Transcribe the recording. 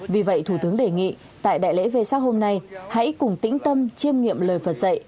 vì vậy thủ tướng đề nghị tại đại lễ vê sắc hôm nay hãy cùng tĩnh tâm chiêm nghiệm lời phật dạy